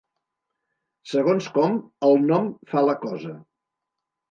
Segons com, el nom fa la cosa.